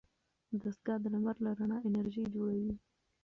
دستګاه د لمر له رڼا انرژي جوړوي.